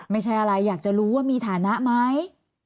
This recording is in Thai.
ไม่ใช่อะไรอยากจะรู้ว่ามีฐานะไหม